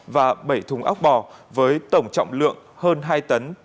và bảy thùng ốc bò với tổng trọng lượng hơn hai tấn